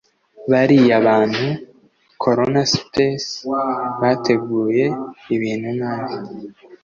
bariya bantu (Corona Space) bateguye ibintu nabi